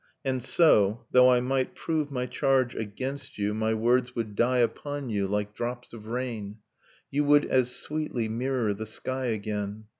And so, though I might prove my charge against you. My words would die upon you, like drops of rain, You would as sweetly mirror the sky again